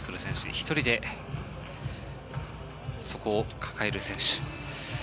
１人でそこを抱える選手。